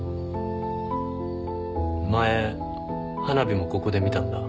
前花火もここで見たんだ。